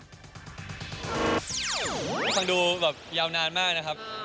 เห็นการดูแบบเยาว์นานมากนะครับ